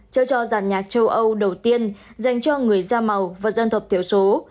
cho cho giàn nhạc châu âu đầu tiên dành cho người da màu và dân tộc thiểu số